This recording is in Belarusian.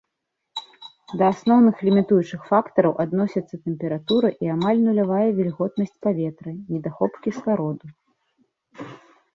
Да асноўных лімітуючых фактараў адносяцца тэмпература і амаль нулявая вільготнасць паветра, недахоп кіслароду.